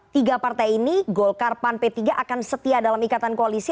tiga partai ini golkar pan p tiga akan setia dalam ikatan koalisi